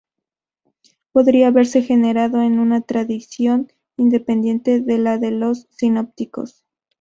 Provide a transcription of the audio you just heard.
Podría haberse generado en una tradición independiente de la de los sinópticos.